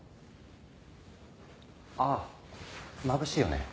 ああまぶしいよね。